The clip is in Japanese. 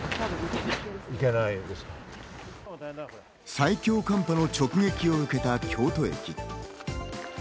最強寒波の直撃を受けた京都駅。